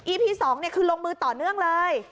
ี๒คือลงมือต่อเนื่องเลย